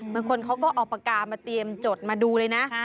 บางคนเขาก็เอาปากกามาเตรียมจดมาดูเลยนะ